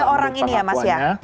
tiga orang ini ya mas ya